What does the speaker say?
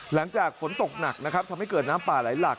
หลังจากฝนตกหนักนะครับทำให้เกิดน้ำป่าไหลหลัก